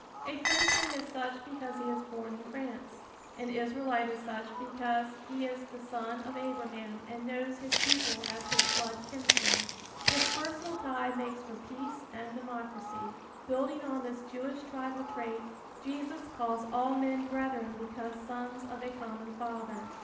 A Frenchman is such because he is born in France; an Israelite is such because he is the son of Abraham and knows his people as his blood kinsmen. This personal tie makes for peace and democracy. Building on this Jewish tribal trait, Jesus calls all men brethren because sons of a common Father.